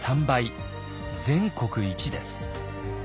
全国一です。